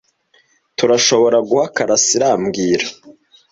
Turashoboraguha Karasira mbwira